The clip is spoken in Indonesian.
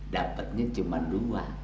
dapetnya cuman dua